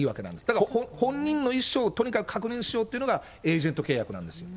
だから本人の意思をとにかく確認しようというのが、エージェント契約なんですよ。